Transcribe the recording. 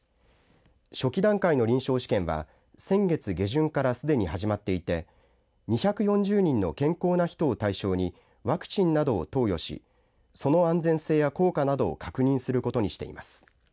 初期段階の臨床試験は先月下旬からすでに始まっていて２４０人の健康な人を対象にワクチンなどを投与しその安全性や効果などを確認することにしています。